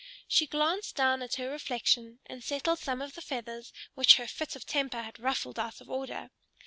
She glanced down at her reflection and settled some of the feathers which her fit of temper had ruffled out of order.